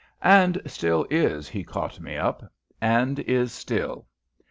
"And is still," he caught me up, "And is still!